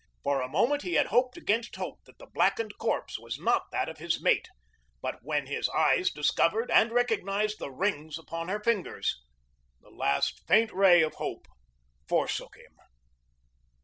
For a moment he had hoped against hope that the blackened corpse was not that of his mate, but when his eyes discovered and recognized the rings upon her fingers the last faint ray of hope forsook him.